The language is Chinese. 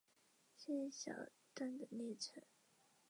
莫贺设是在七世纪早期西突厥汗国属部可萨人的叶护和将军。